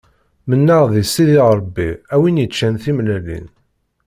Mennaɣ di Sidi Ṛebbi, a wi yeččan timellalin.